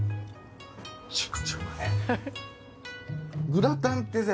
グラタンってさ